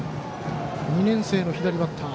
２年生の左バッター。